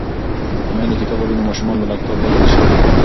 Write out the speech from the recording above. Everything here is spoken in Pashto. که میندې کتاب ولولي نو ماشومان به له کتابه لرې نه وي.